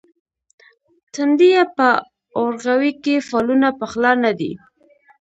تندیه په اورغوي کې فالونه پخلا نه دي.